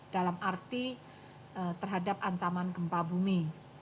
dalam arti terhadap ancaman gempa bumi